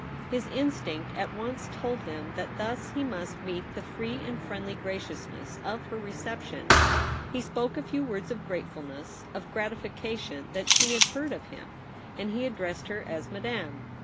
His instinct at once told him that thus he must meet the free and friendly graciousness of her reception. He spoke a few words of gratefulness, of gratifi cation that she had heard of him, and he ad dressed her as ' Madame.'